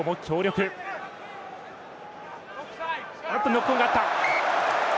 ノックオンがあった。